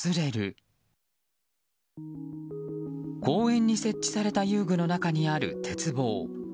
公園に設置された遊具の中にある鉄棒。